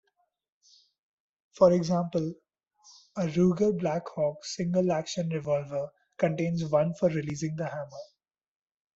For example, a Ruger Blackhawk single-action revolver contains one for releasing the hammer.